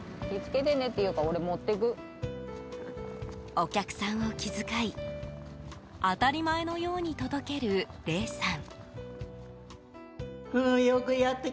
お客さんを気遣い当たり前のように届ける玲さん。